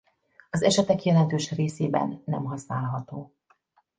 Az esetek jelentős részében nem használható.